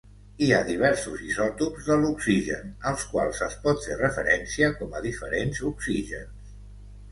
Hi ha diversos isòtops de l'oxigen, als quals es pot fer referència com a diferents oxígens.